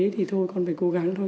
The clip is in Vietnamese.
thì thôi con phải cố gắng thôi